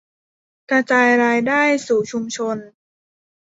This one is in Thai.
กระจายรายได้สู่ชุมชน